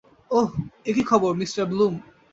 ওহ, কি খবর, Mr Bloom.